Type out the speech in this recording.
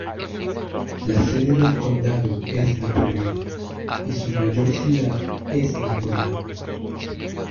La sede del condado es Napoleon, y su mayor ciudad es Napoleon.